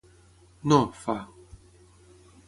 No— fa.